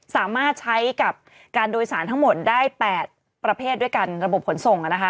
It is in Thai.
สามารถใช้กับการโดยสารทั้งหมดได้๘ประเภทด้วยกันระบบขนส่ง